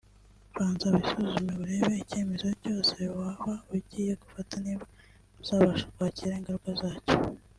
Banza wisuzume urebe icyemezo cyose waba ugiye gufata niba uzabasha kwakira ingaruka zacyo